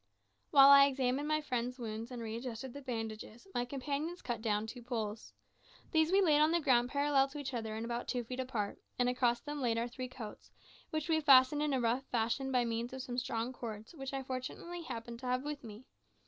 While I examined my friend's wounds and readjusted the bandages, my companions cut down two poles. These we laid on the ground parallel to each other and about two feet apart, and across them laid our three coats, which we fastened in a rough fashion by means of some strong cords which I fortunately happened to have with me.